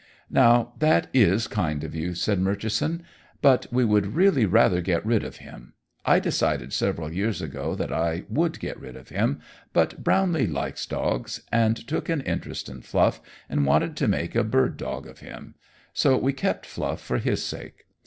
"Now, that is kind of you," said Murchison, "but we would really rather get rid of him. I decided several years ago that I would get rid of him, but Brownlee likes dogs, and took an interest in Fluff, and wanted to make a bird dog of him, so we kept Fluff for his sake.